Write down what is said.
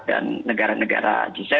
dan negara negara g tujuh